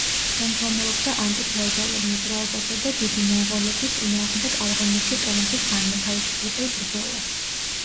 ხელმძღვანელობდა ანტიფეოდალურ მოძრაობასა და დიდი მონღოლების წინააღმდეგ ავღანეთში ტომების განმათავისუფლებელ ბრძოლას.